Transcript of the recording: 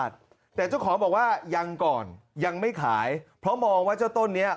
แต่เจ้าของบอกว่ายังก่อนยังไม่ขายเพราะมองว่าเจ้าต้นนี้